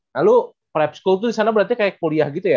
nah lu prep school tuh disana berarti kayak kuliah gitu ya